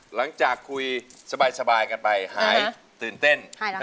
หลังจากคุยสบายกันไปหายตื่นเต้น